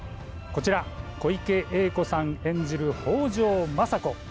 こちら、小池栄子さん演じる北条政子。